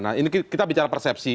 nah ini kita bicara persepsi